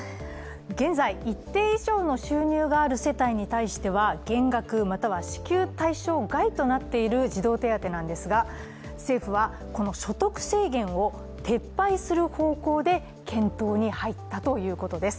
現在、一定以上の収入がある世帯に対しては減額または支給対象外となっている児童手当ですが、政府はこの所得制限を撤廃する方向で検討に入ったということです。